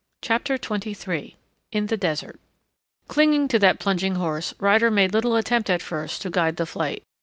CHAPTER XXIII IN THE DESERT Clinging to that plunging horse Ryder made little attempt at first to guide the flight.